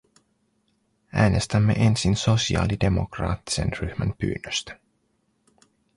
Äänestämme ensin sosialidemokraattisen ryhmän pyynnöstä.